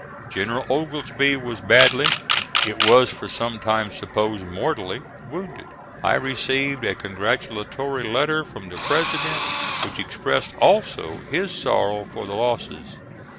General Oglesby was badly, it was for some time supposed mortally, wounded. I received a congratulatory letter from the President, which expressed also his sorrow for the losses.